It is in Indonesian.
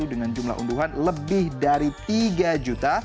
dengan jumlah unduhan lebih dari tiga juta